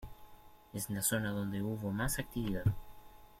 Es la zona donde hubo más actividad.